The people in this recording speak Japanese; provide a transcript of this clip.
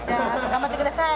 頑張ってください！